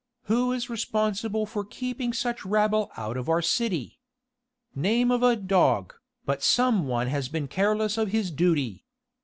Who is responsible for keeping such rabble out of our city? Name of a dog, but some one has been careless of duty!